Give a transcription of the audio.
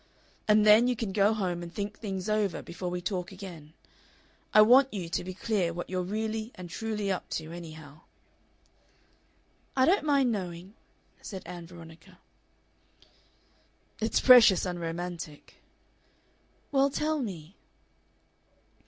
And then you can go home and think things over before we talk again. I want you to be clear what you're really and truly up to, anyhow." "I don't mind knowing," said Ann Veronica. "It's precious unromantic." "Well, tell me."